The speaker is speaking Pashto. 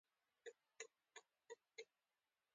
دا ټوټې بیا د بدن د استفادې وړ ګرځي.